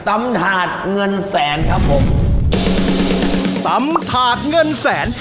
ตำถาดเงินแสนครับผมตำถาดเงินแสน